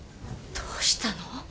どうしたの？